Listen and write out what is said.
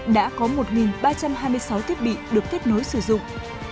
đã có một ba trăm hai mươi sáu thiết bị được kết nối sử dụng